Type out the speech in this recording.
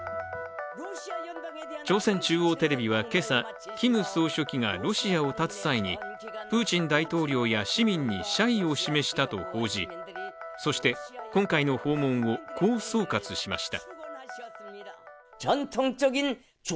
朝鮮中央テレビは今朝キム総書記がロシアをたつ際にプーチン大統領や市民に謝意を示したと報じそして、今回の訪問をこう総括しました。